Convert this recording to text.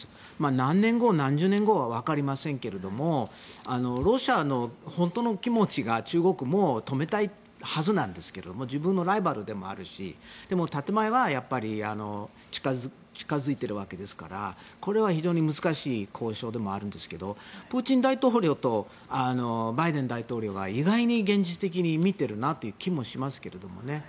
何年後、何十年後はわかりませんがロシアの本当の気持ちが中国をもう止めたいはずなんですけど自分のライバルでもあるしでも、建前は近付いているわけですからこれは非常に難しい交渉でもあるんですけどプーチン大統領とバイデン大統領は意外に現実的に見てるなという気もしますけどね。